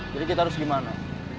jadi kita harus gimana